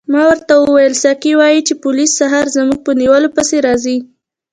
ما ورته وویل ساقي وایي چې پولیس سهار زما په نیولو پسې راځي.